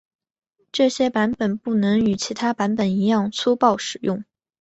这些版本不能与其他版本一样粗暴使用。